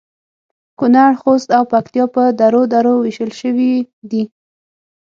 کونړ ، خوست او پکتیا په درو درو ویشل شوي دي